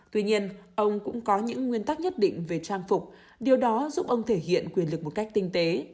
tuy nhiên ông cũng có những nguyên tắc nhất định về trang phục điều đó giúp ông thể hiện quyền lực một cách tinh tế